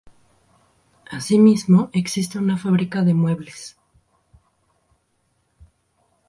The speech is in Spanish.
Asímismo existe una fábrica de muebles.